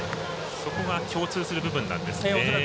そこが共通する部分なんですね。